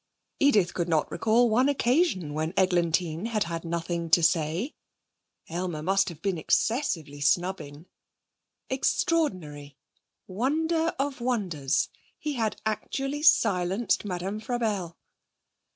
Edith could not recall one occasion when Eglantine had had nothing to say. Aylmer must have been excessively snubbing. Extraordinary I Wonder of wonders! He had actually silenced Madame Frabelle!